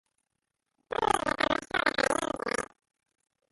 本人が楽しそうだからいいんじゃない